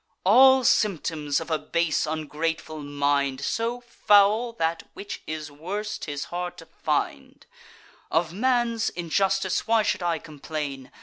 All symptoms of a base ungrateful mind, So foul, that, which is worse, 'tis hard to find. Of man's injustice why should I complain?